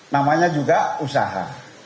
namanya juga usaha